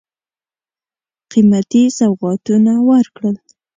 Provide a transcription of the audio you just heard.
قېمتي سوغاتونه ورکړل.